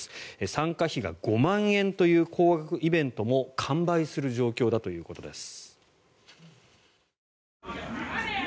参加費が５万円という高額イベントも完売する状況だということです。